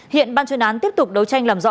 hiện ban chuyên án tiếp tục đấu tranh làm rõ